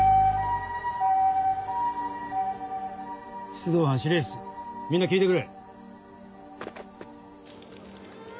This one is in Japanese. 出動班指令室みんな聞いてくれ。